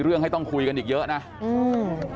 เพื่อนบ้านเจ้าหน้าที่อำรวจกู้ภัย